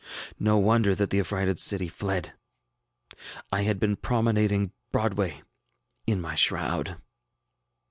No wonder that the affrighted city fled! I had been promenading Broadway in my shroud!